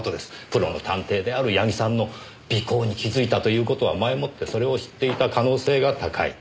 プロの探偵である矢木さんの尾行に気づいたという事は前もってそれを知っていた可能性が高い。